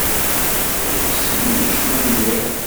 Ur nessin ad necnu mliḥ.